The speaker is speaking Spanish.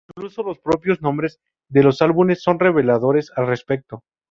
Incluso los propios nombres de los álbumes son reveladores al respecto.